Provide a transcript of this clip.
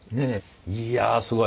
いやすごい。